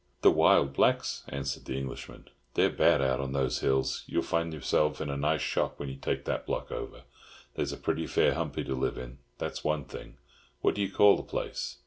"The wild blacks," answered the Englishman. "They're bad out on those hills. You'll find yourselves in a nice shop when you take that block over. There's a pretty fair humpy to live in, that's one thing. What do you call the place?"